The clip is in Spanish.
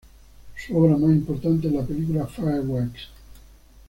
Su obra más importante es la película Fireworks.